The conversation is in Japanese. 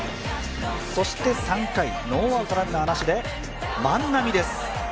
そして３回、ノーアウトランナーなしで万波です。